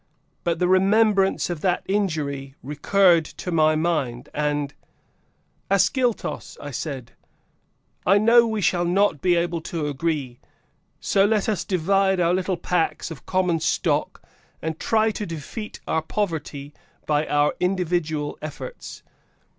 But the remembrance of that injury recurred to my mind and, "Ascyltos," I said, "I know we shall not be able to agree, so let us divide our little packs of common stock and try to defeat our poverty by our individual efforts.